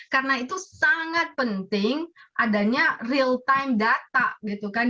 karena itu sangat penting adanya real time data gitu kan